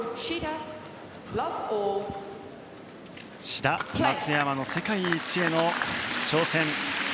志田と松山の世界一への挑戦。